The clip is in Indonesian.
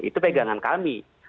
itu pegangan kami